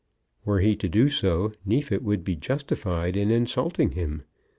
Were he to do so Neefit would be justified in insulting him.